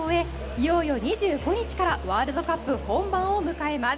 いよいよ２５日からワールドカップ本番を迎えます。